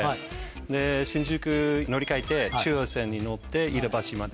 で新宿乗り換えて中央線に乗って飯田橋まで。